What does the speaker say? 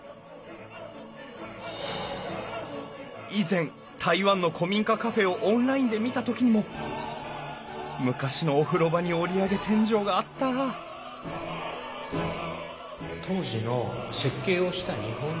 以前台湾の古民家カフェをオンラインで見た時にも昔のお風呂場に折り上げ天井があった当時の設計をした日本人。